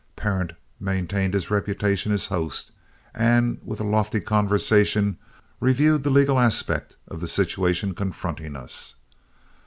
Parent maintained his reputation as host, and with a lofty conversation reviewed the legal aspect of the situation confronting us.